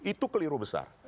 itu keliru besar